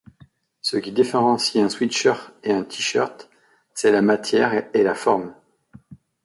Ce qui différencie un sweat-shirt et un tee-shirt, c'est la matière et la forme.